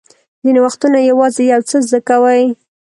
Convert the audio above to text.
ځینې وختونه یوازې یو څه زده کوئ.